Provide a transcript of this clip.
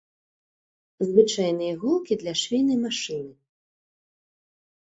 Звычайныя іголкі для швейнай машыны.